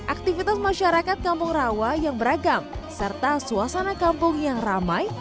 aktivitas masyarakat kampung rawa yang beragam serta suasana kampung yang ramai